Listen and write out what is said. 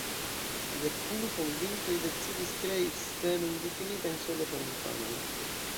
Dek unu fondintoj decidis krei scenon difinitan sole por infanoj.